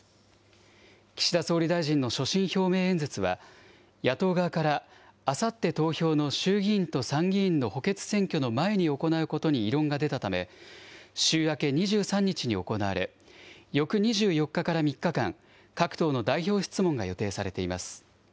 岸田総理大臣の所信表明演説は、野党側からあさって投票の衆議院と参議院の補欠選挙の前に行うことに異論が出たため、週明け２３日に行われ、翌２４日から３日間、各党の代表質問が予定されています。